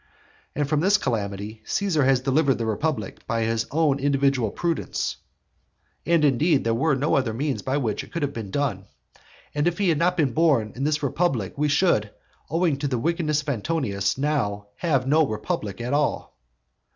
And from this calamity Caesar has delivered the republic by his own individual prudence, (and, indeed, there were no other means by which it could have been done.) And if he had not been born in this republic we should, owing to the wickedness of Antonius, now have no republic at all.